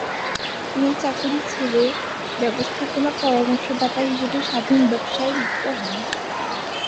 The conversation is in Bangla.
তিনি চাকুরি ছেড়ে ব্যবস্থাপনায় পরামর্শদাতা হিসেবে স্বাধীন ব্যবসায়ে লিপ্ত হন।